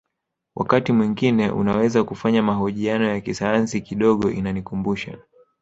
Wakati mwingine unaweza kufanya mahojiano ya kisayansi kidogo inanikumbusha